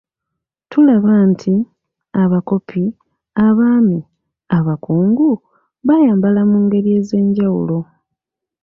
Tulaba nti, abakopi, abaami, abakungu, bayambalanga mungeri ezenjawulo.